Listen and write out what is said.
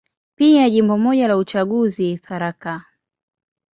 Pia Jimbo moja la uchaguzi, Tharaka.